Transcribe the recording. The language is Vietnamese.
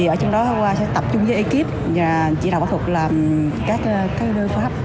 ở trong đó hoa sẽ tập trung với ekip và chỉ đọc bảo thuật làm cascader phó hấp